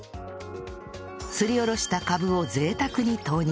すりおろしたカブを贅沢に投入